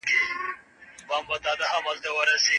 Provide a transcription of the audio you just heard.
هیڅوک باید په ملکیت دعوه ونه کړي.